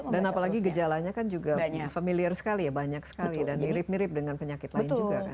dan apalagi gejalanya kan juga familiar sekali ya banyak sekali dan mirip mirip dengan penyakit lain juga